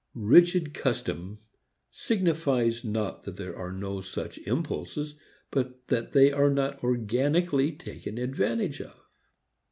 Rigid custom signifies not that there are no such impulses but that they are not organically taken advantage of.